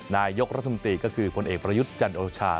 นายกรัฐมนตรีก็คือผลเอกประยุทธ์จันโอชา